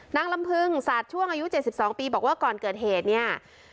นางลำพึงสาดช่วงอายุ๗๒ปีบอกว่าก่อนเกิดเหตุเนี่ย